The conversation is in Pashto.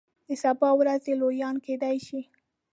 د سبا ورځې لویان کیدای شي.